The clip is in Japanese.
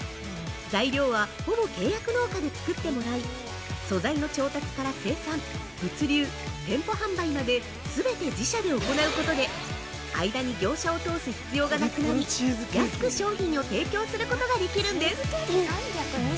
材料は、ほぼ契約農家で作ってもらい、素材の調達から生産、物流店舗販売まで全て自社で行うことで間に業者を通す必要がなくなり安く商品を提供することができるんです。